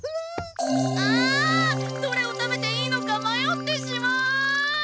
あどれを食べていいのかまよってしまう！